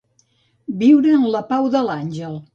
Viure en la pau de l'àngel.